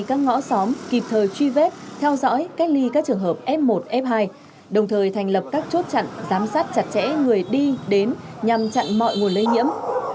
các ngõ xóm kịp thời truy vết theo dõi cách ly các trường hợp f một f hai đồng thời thành lập các chốt chặn giám sát chặt chẽ người đi đến nhằm chặn mọi nguồn lây nhiễm